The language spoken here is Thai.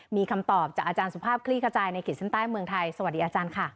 มีคำตอบจากอาจารย์สุภาพคลี่ขจายในขีดเส้นใต้เมืองไทยสวัสดีอาจารย์ค่ะ